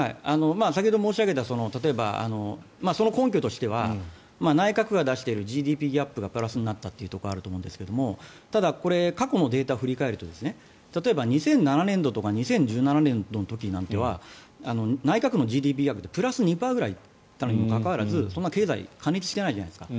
先ほど申し上げたその根拠としては内閣府が出しているＧＤＰギャップがプラスになったというところがあるんですがただ、過去のデータを振り返ると例えば２００７年度とか２０１７年度の時なんかは内閣府のＧＤＰプラス２％くらいいったにもかかわらず経済過熱してないじゃないですか